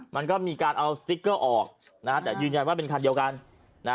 มันก็มีการเอาสติ๊กเกอร์ออกนะฮะแต่ยืนยันว่าเป็นคันเดียวกันนะ